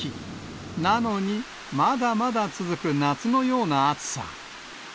なのに、まだまだ続く夏のような暑さ。